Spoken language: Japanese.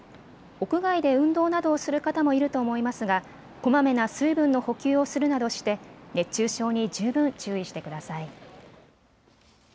屋外で運動などをする方もいると思いますがこまめな水分の補給をするなどして熱中症に十分注意してください。